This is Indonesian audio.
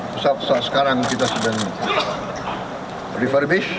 pesawat pesawat sekarang kita sudah refurbish